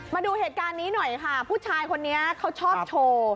มาดูเหตุการณ์นี้หน่อยค่ะผู้ชายคนนี้เขาชอบโชว์